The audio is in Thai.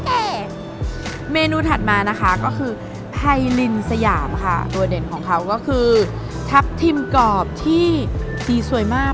กเมนูถัดมานะคะก็คือภายลินซะหยาวตัวเด่นของเขาก็คือทับทิมกอบที่สวยมาก